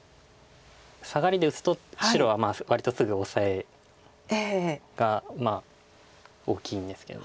サガリで打つと白は割とすぐオサエがまあ大きいんですけど。